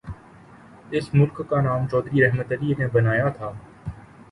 اس ملک کا نام چوہدری رحمت علی نے بنایا تھا۔